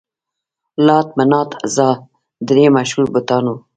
لات، منات، عزا درې مشهور بتان وو.